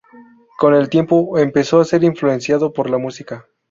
Con el tiempo, empezó a ser influenciado por la música.